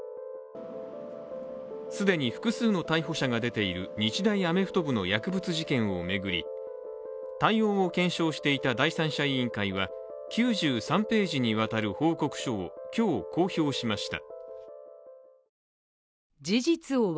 既に複数の逮捕者が出ている日大アメフト部の薬物事件を巡り対応を検証していた第三者委員会は９３ページにわたる報告書を今日、公表しました。